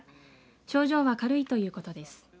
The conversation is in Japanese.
症状は軽いということです。